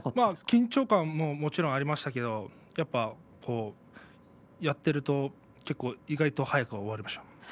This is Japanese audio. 緊張感はありましたけれどもやっぱ、やっていると結構、意外と早く終わりました。